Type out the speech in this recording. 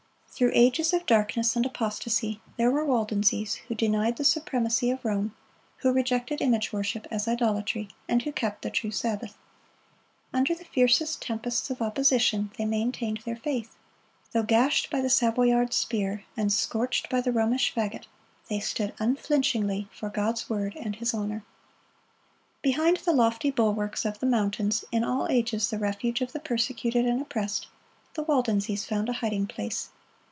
Through ages of darkness and apostasy, there were Waldenses who denied the supremacy of Rome, who rejected image worship as idolatry, and who kept the true Sabbath. Under the fiercest tempests of opposition they maintained their faith. Though gashed by the Savoyard spear, and scorched by the Romish fagot, they stood unflinchingly for God's word and His honor. Behind the lofty bulwarks of the mountains,—in all ages the refuge of the persecuted and oppressed,—the Waldenses found a hiding place.